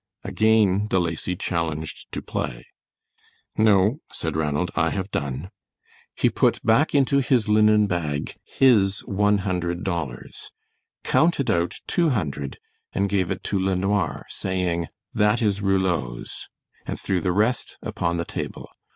Again De Lacy challenged to play. "No," said Ranald, "I have done." He put back into his linen bag his one hundred dollars, counted out two hundred, and gave it to LeNoir, saying: "That is Rouleau's," and threw the rest upon the table.